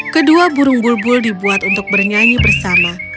kedua burung bulbul dibuat untuk bernyanyi bersama